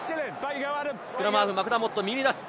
スクラムハーフ、マクダーモット、右に出ます。